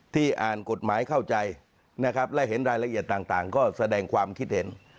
อ่านกฎหมายเข้าใจนะครับและเห็นรายละเอียดต่างก็แสดงความคิดเห็น